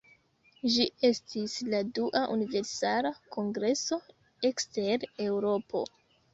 Ĝi estis la dua Universala Kongreso ekster Eŭropo.